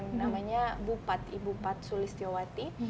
namanya bupat ibupat sulistiyowati